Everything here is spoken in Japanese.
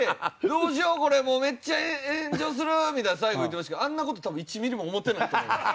「どうしようこれもうめっちゃ炎上する」みたいに最後言ってましたけどあんな事多分１ミリも思ってないと思います。